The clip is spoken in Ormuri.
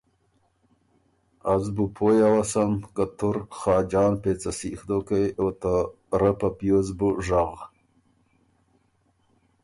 از بُو پویٛ اوسم که تُور خاجان پېڅه سیخ دوکې او ته رۀ په پیوزه بو ژغ۔